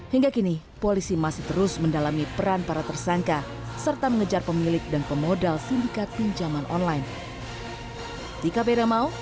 hingga kini polisi masih terus mendalami peran para tersangka serta mengejar pemilik dan pemodal sindikat pinjaman online